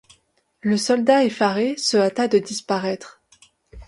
Le soldat effaré se hâta de disparaître.